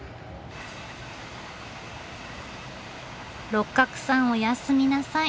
六角さんおやすみなさい。